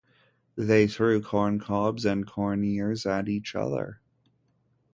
They threw corncobs and corn-ears at each other.